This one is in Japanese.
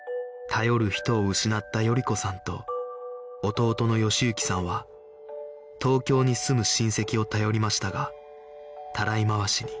頼る人を失った賀子さんと弟の喜之さんは東京に住む親戚を頼りましたがたらい回しに